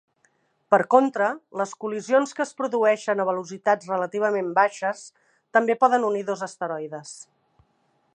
Per contra, les col·lisions que es produeixen a velocitats relativament baixes també poden unir dos asteroides.